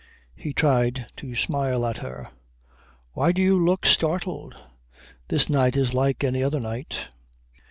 He tried to smile at her. "Why do you look startled? This night is like any other night."